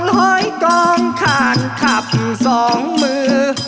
น้อยกองคานขับสองมือ